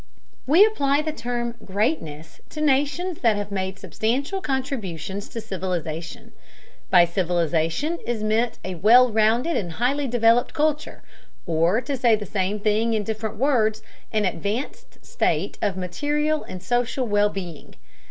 We apply the term greatness to nations that have made substantial contributions to civilization. By civilization is meant a well rounded and highly developed culture, or, to say the same thing in different words, an advanced state of material and social well being.